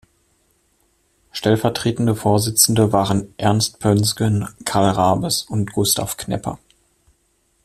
Stellvertretende Vorsitzende waren Ernst Poensgen, Carl Rabes und Gustav Knepper.